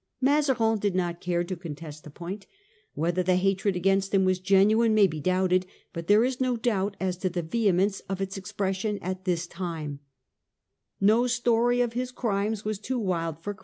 Mazarin did not care to con test the point. Whether the hatred against him was _ genuine may be doubted, but there is no doubt sents to a as to the vehemence of its expression at this fromwhich ^ me No story of his crimes was too wild for «!